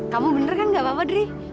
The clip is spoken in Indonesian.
kamu bener kan gak apa apa dri